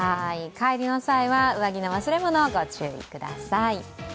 帰りの際には上着の忘れ物、ご注意ください。